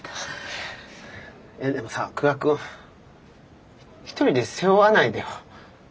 でもさ久我君一人で背負わないでよ。